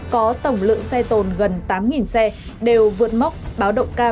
có tổng lượng xe tồn gần tám xe đều vượt mốc báo động cao